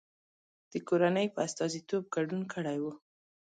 د کورنۍ په استازیتوب ګډون کړی و.